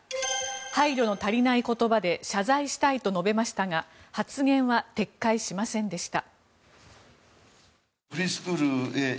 配慮の足りない言葉で謝罪したいと述べましたが発言は撤回しませんでした。